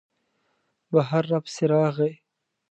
بهر را پسې راغی.